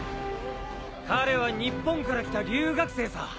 彼は日本から来た留学生さ。